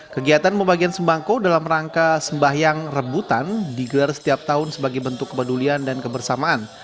kegiatan pembagian sembako dalam rangka sembahyang rebutan digelar setiap tahun sebagai bentuk kepedulian dan kebersamaan